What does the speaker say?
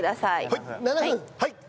はい。